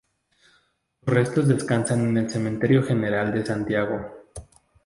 Sus restos descansan en el Cementerio General de Santiago.